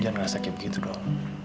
jangan rasa kayak begitu dong